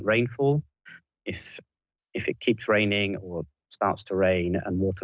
ถ้าเวลาที่มันเติมขึ้นหรือเริ่มเติมขึ้น